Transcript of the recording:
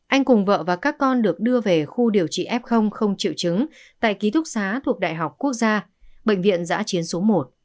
anh cùng vợ và các con được đưa về khu điều trị f không triệu chứng tại ký thúc xá thuộc đại học quốc gia bệnh viện giã chiến số một